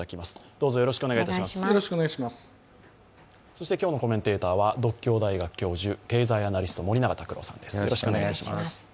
そして、今日のコメンテーターは独協大学経済学部教授経済アナリスト森永卓郎さんです。